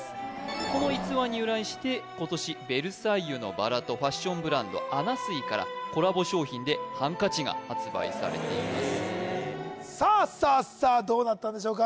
この逸話に由来して今年「ベルサイユのばら」とファッションブランドＡＮＮＡＳＵＩからコラボ商品でハンカチが発売されていますさあさあさあどうなったんでしょうか